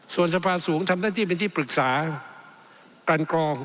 ส่วนสภาสูงทำหน้าที่เป็นที่ปรึกษากันกรอง